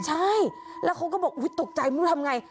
ใช่แล้วเขาก็บอกอุ๊ยตกใจทำอย่างไร